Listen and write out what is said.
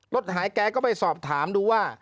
รถหายแกก็ไปสอบถามดูว่า